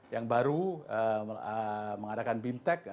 yang baru mengadakan bimtek